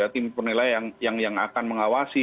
tim penilai yang akan mengawasi